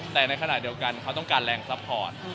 แต่ในขณะเดียวกันเขาต้องการแรงซัพพอร์ต